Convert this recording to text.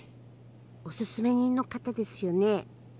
おススメ人の方ですよね？